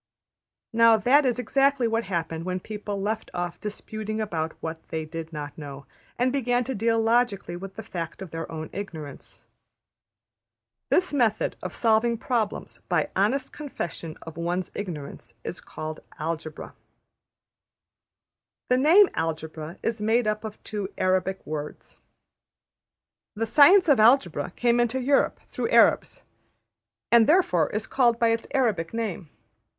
'' Now that is exactly what happened when people left off disputing about what they did not know, and began to deal logically with the fact of their own ignorance. This method of solving problems by honest confession of one's ignorance is called Algebra.\footnote{\textit{See} Appendix.} The name Algebra is made up of two Arabic words. The science of Algebra came into Europe through Arabs, and therefore is called by its Arabic name.